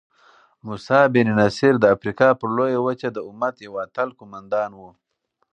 موسی بن نصیر د افریقا پر لویه وچه د امت یو اتل قوماندان وو.